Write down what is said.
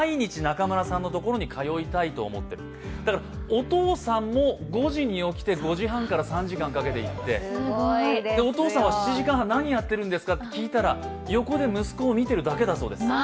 お父さんも５時に起きて５時半から３時間かけて行ってお父さんは７時間半何をやっているんですかと聞いたら横で息子を見ているだけだそうです。